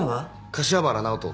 柏原直人。